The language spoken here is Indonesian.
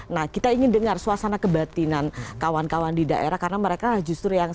nah kita ingin dengar suasana kebatinan kawan kawan di daerah karena mereka justru yang sangat tahu kondisi pandemi